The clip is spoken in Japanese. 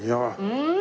うん！